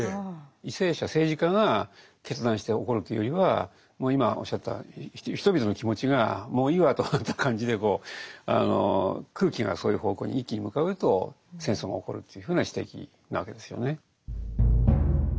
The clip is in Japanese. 為政者政治家が決断して起こるというよりはもう今おっしゃった人々の気持ちがもういいわとなった感じで空気がそういう方向に一気に向かうと戦争が起こるというふうな指摘なわけですよね。